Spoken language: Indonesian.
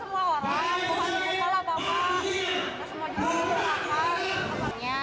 semua juga berpakaian